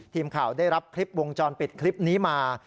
ทีมข่าวได้รับคลิปวงจรปิดคลิปนี้มา